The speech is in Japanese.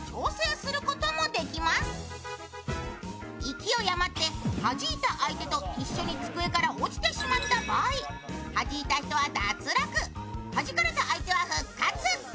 勢いあまってはじいた相手と一緒に机から落ちてしまった場合はじいた人は脱落はじかれた相手は復活。